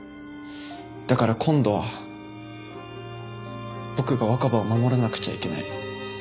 だから今度は僕が若葉を守らなくちゃいけない。